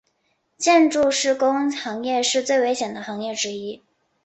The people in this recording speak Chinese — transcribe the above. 建筑施工行业是最危险的行业之一。